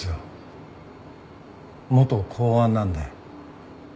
元公安なんで。